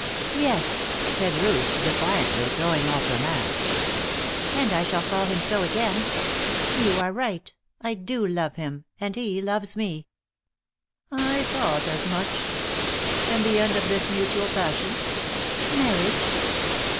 "Yes," said Ruth, defiantly, throwing off her mask. "And I shall call him so again. You are right; I do love him. And he loves me." "I thought as much. And the end of this mutual passion?" "Marriage?"